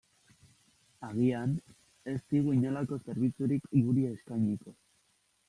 Agian, ez digu inolako zerbitzurik guri eskainiko.